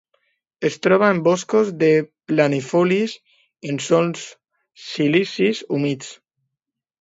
Es troba en boscos de planifolis en sòls silícics humits.